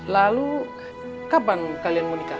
lalu kapan kalian mau nikah